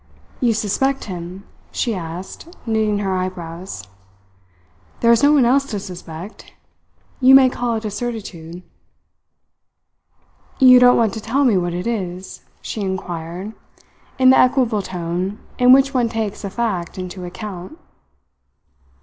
"You suspect him?" she asked, knitting her eyebrows. "There is no one else to suspect. You may call it a certitude." "You don't want to tell me what it is?" she inquired, in the equable tone in which one takes a fact into account.